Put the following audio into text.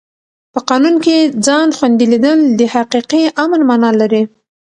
په قانون کې ځان خوندي لیدل د حقیقي امن مانا لري.